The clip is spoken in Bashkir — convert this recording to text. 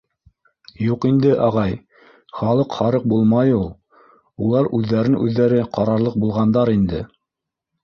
— Юҡ инде, ағай, халыҡ һарыҡ булмай ул. Улар үҙҙәрен-үҙҙәре ҡарарлыҡ булғандар инде.